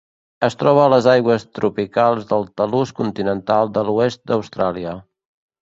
Es troba a les aigües tropicals del talús continental de l'oest d'Austràlia.